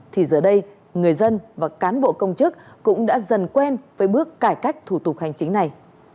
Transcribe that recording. thì giờ đây người dân và cán bộ công chức cũng đã dần quen với bước cải cách thủ tục hành chính này